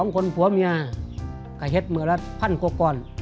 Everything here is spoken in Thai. ๒คนผัวเมียกะเฮ็ดเมืองละพันโคกร